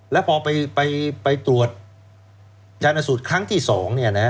แล้วพอไปตรวจจารณสูตรครั้งที่๒